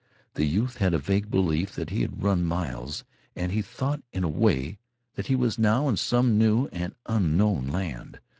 The youth had a vague belief that he had run miles, and he thought, in a way, that he was now in some new and unknown land.